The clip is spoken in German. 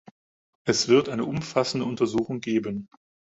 Es wird eine umfassende Untersuchung geben.